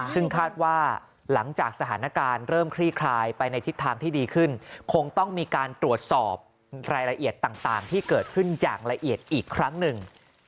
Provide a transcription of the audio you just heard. ซึ่งคาดว่าหลังจากสถานการณ์เริ่มคลี่คลายไปในทิศทางที่ดีขึ้นคงต้องมีการตรวจสอบรายละเอียดต่างที่เกิดขึ้นอย่างละเอียดอีกครั้งหนึ่ง